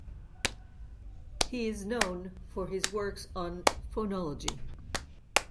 He is known for his works on phonology.